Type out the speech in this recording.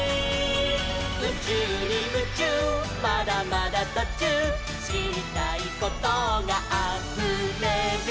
「うちゅうにムチューまだまだとちゅう」「しりたいことがあふれる」